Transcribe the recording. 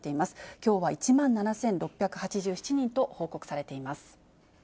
きょうは１万７６８７人と報告されています。